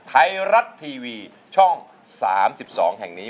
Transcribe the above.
ไทยรัฐทีวีช่อง๓๒แห่งนี้